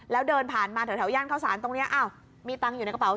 แล้วเดินผ่านมาแถวย่านเข้าสารตรงนี้อ้าวมีตังค์อยู่ในกระเป๋